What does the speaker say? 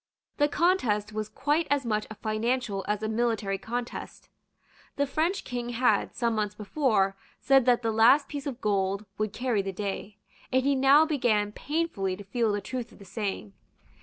The contest was quite as much a financial as a military contest. The French King had, some months before, said that the last piece of gold would carry the day; and he now began painfully to feel the truth of the saying.